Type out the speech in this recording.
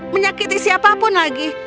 menyakiti siapapun lagi